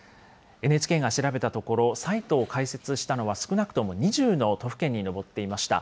ＮＨＫが調べたところ、サイトを開設したのは少なくとも２０の都府県に上っていました。